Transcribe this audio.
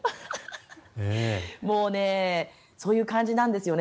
もうそういう感じなんですよね。